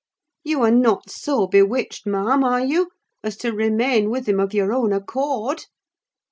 You are not so bewitched, ma'am, are you, as to remain with him of your own accord?"